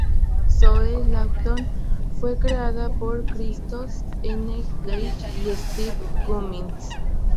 Zoe Lawton fue creada por Christos N Gage y Steven Cummings.